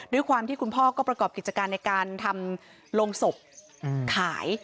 ด้วยความที่คุณพ่อก็ประกอบกิจการในการทำโรงศพขาย